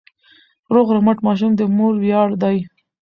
روغ رمټ ماشوم د مور ویاړ دی.